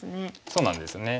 そうなんですね。